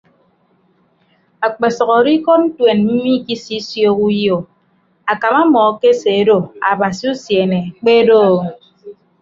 Akpesʌk odo ikọd ntuen mmiikisiooho uyo akam ọmmọ akeseedo abasi usiene kpe doo.